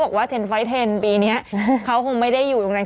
บอกว่าเทนไฟท์เทนปีเนี้ยเขาคงไม่ได้อยู่ตรงนั้น